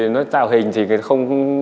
nói tạo hình thì không